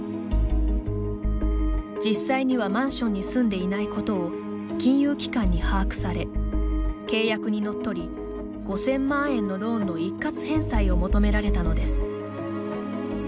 実際にはマンションに住んでいないことを金融機関に把握され契約にのっとり５０００万円のローンの一括返済を求められたのです。